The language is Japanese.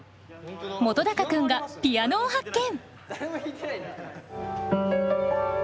本君がピアノを発見。